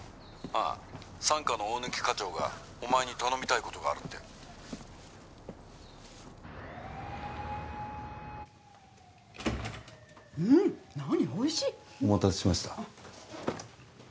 ☎ああ☎三課の大貫課長がお前に頼みたいことがあるってうんっ何おいしいっお待たせしました